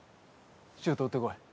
シュート打ってこい。